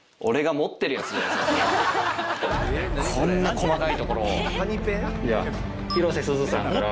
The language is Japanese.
こんな細かいところを。